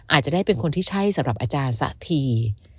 อาจจะได้เป็นคนที่ใช่สำหรับอาจารย์สักที